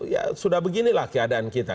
ya sudah beginilah keadaan kita